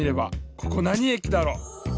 ここなにえきだろ？